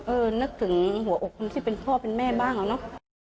เออนึกถึงหัวอกมันสิเป็นพ่อเป็นแม่บ้างเหรอเนอะ